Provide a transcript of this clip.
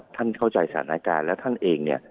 ท่านเข้าใจสถานการณ์และท่านเอง